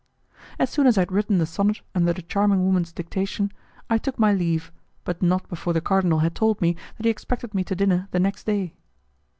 As soon as I had written the sonnet under the charming woman's dictation, I took my leave, but not before the cardinal had told me that he expected me to dinner the next day.